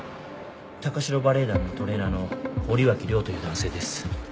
高城バレエ団のトレーナーの堀脇涼という男性です。